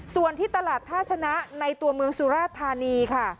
ส่วนที่ตลาดท่าชนะในตัวเมืองสุราชธานีค่ะ